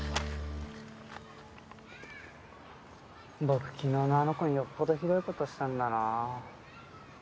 僕昨日のあの子によっぽどひどい事したんだな。